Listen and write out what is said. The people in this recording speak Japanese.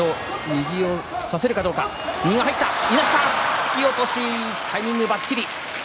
突き落としタイミングばっちり。